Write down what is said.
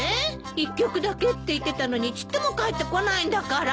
一局だけって言ってたのにちっとも帰ってこないんだから。